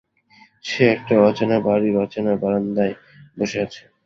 সে একটা অচেনা বাড়ির অচেনা বারান্দায় বসে আছে।